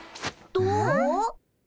どう？